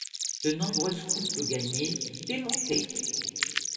De nombreuses coupes gagnées, des montées.